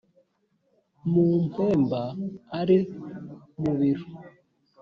mupemba ari mu biro